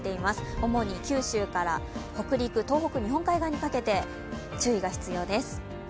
主に九州から北陸、東北日本海側にかけて注意が必要です。